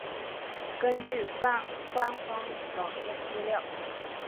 根据官方网页资料。